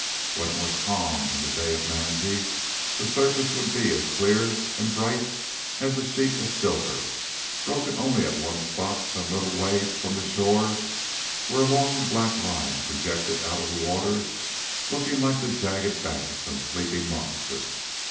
When it was calm in the Bay of Mansie the surface would be as clear and bright as a sheet of silver, broken only at one spot some little way from the shore, where a long black line projected out of the water looking like the jagged back of some sleeping monster.